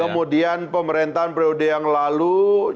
kemudian pemerintahan periode yang lalu